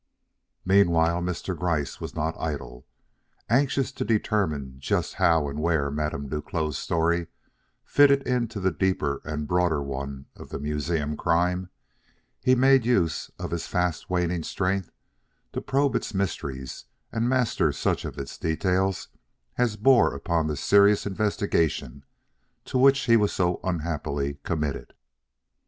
Meanwhile, Mr. Gryce was not idle. Anxious to determine just how and where Madame Duclos' story fitted into the deeper and broader one of the museum crime, he made use of his fast waning strength to probe its mysteries and master such of its details as bore upon the serious investigation to which he was so unhappily committed.